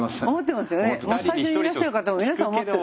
スタジオにいらっしゃる方も皆さん思ってる。